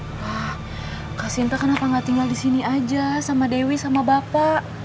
wah kak sinta kenapa nggak tinggal di sini aja sama dewi sama bapak